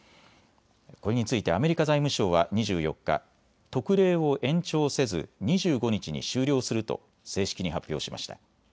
これについてアメリカ財務省は２４日、特例を延長せず２５日に終了すると正式に発表しました。